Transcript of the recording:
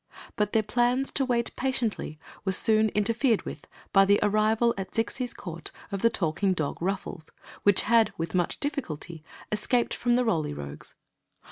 But their plans to wait patiently were soon inter fered with by the arrival at Zixi's court of the talking dog, Ruffles, which had with much difficulty escaped from the Roly Rogues.